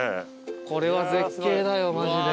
これは絶景だよマジで。